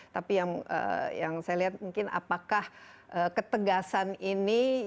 tapi yang saya lihat mungkin apakah ketegasan ini